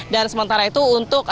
dan sementara itu untuk